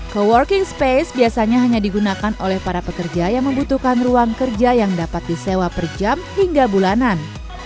co working space biasanya hanya digunakan oleh para pekerja yang membutuhkan ruang kerja yang dapat disewa per jam hingga bulanan